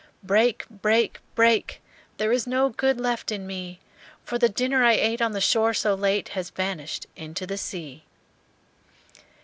"Break! break! break! There is no good left in me; For the dinner I ate on the shore so late Has vanished into the sea!"